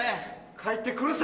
帰って来るさ！